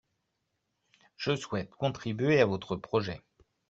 Je souhaite contribuer à votre projet